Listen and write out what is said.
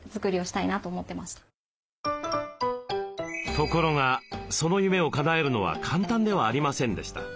ところがその夢をかなえるのは簡単ではありませんでした。